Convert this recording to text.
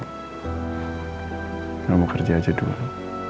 kamu kerja aja dulu